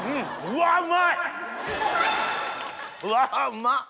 うわうまっ！